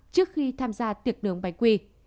trước khi tham gia tiệc nướng bánh quy